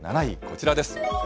７位、こちらです。